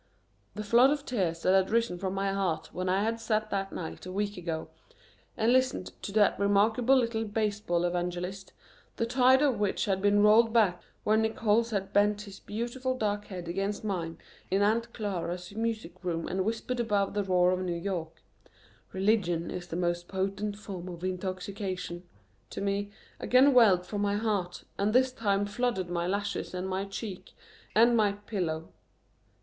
The flood of tears that had risen from my heart when I had sat that night a week ago and listened to that remarkable little baseball evangelist, the tide of which had been rolled back when Nickols had bent his beautiful dark head against mine in Aunt Clara's music room and whispered above the roar of New York, "religion is the most potent form of intoxication" to me, again welled from my heart and this time flooded my lashes and my cheek and my pillow.